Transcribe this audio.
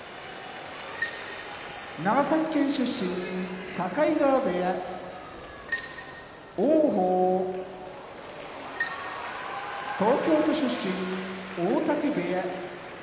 長崎県出身境川部屋王鵬東京都出身大嶽部屋